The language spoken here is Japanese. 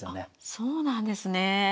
あそうなんですね。